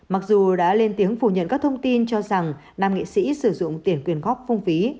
mặc dù đã lên tiếng phủ nhận các thông tin cho rằng nam nghệ sĩ sử dụng tiền quyền góp phong phí